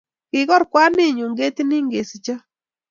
kikor kwanit nyu ketit nin kesicho